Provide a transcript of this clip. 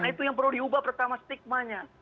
karena itu yang perlu diubah pertama stigmanya